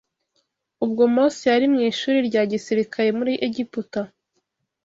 Ubwo Mose yari mu ishuri rya gisirikare muri Egiputa